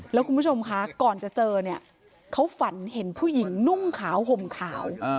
แล้วคุณผู้ชมคะก่อนจะเจอเนี่ยเขาฝันเห็นผู้หญิงนุ่งขาวห่มขาว